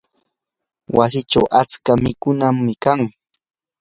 wasichaw atska mishikunam kan.